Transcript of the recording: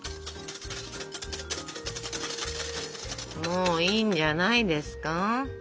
もういいんじゃないですか？